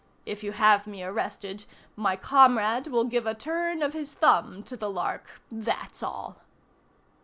If you have me arrested, my comrade will give a turn of his thumb to the Lark, that's all."